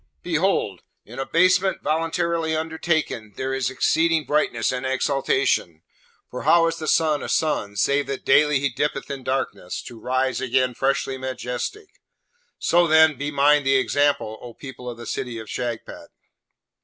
Behold! in abasement voluntarily undertaken there is exceeding brightness and exaltation; for how is the sun a sun save that daily he dippeth in darkness, to rise again freshly majestic? So then, be mine the example, O people of the City of Shagpat!'